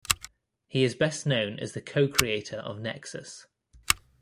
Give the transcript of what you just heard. He is best known as the co-creator of "Nexus".